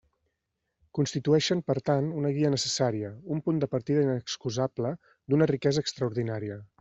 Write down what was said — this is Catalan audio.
Constitueixen per tant una guia necessària, un punt de partida inexcusable, d'una riquesa extraordinària.